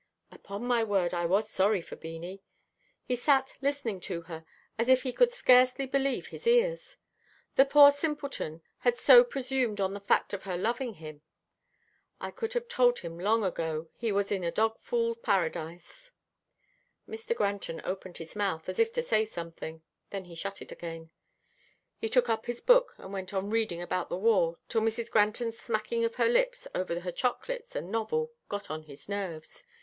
Upon my word, I was sorry for Beanie. He sat listening to her, as if he could scarcely believe his ears. The poor simpleton had so presumed on the fact of her loving him. I could have told him long ago, he was in a dog fool paradise. Mr. Granton opened his mouth, as if to say something, then he shut it again. He took up his book, and went on reading about the war till Mrs. Granton's smacking of her lips over her chocolates and novel got on his nerves.